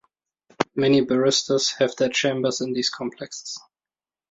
Many barristers have their chambers in these complexes.